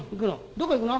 「どこ行くの？」。